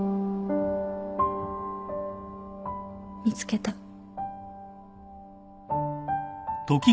見つけた。